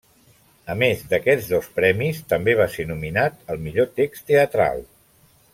A més d'aquests dos premis, també va ser nominat al millor text teatral.